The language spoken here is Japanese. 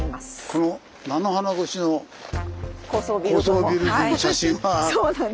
この菜の花越しの高層ビル群の写真はすごいよね。